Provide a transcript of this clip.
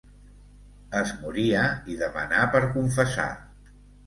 Es moria i demanà per confessar.